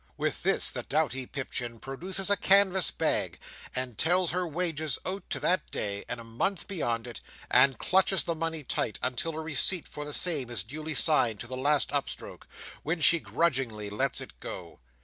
With this the doughty Pipchin produces a canvas bag; and tells her wages out to that day, and a month beyond it; and clutches the money tight, until a receipt for the same is duly signed, to the last upstroke; when she grudgingly lets it go.